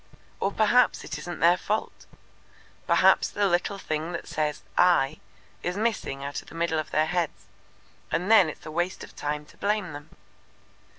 Or perhaps it isn't their fault. Perhaps the little thing that says 'I' is missing out of the middle of their heads, and then it's a waste of time to blame them.